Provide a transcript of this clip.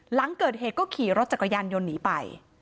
หลังเกิดเหตุก็ขี่รถจักรยานยนต์หนีไป